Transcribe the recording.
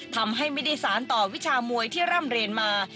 ทำให้ไม่ได้สารต่อวิชามวยที่ร่ำเรียนมา